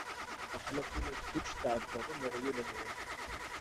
Aql-ak ula d kečč tɛebbaḍ am uɣyul-nwen.